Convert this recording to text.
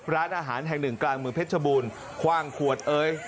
ร้านอาหารแห่งหนึ่งกลางเมืองเพชรบูรณ์คว่างขวดเอ้ย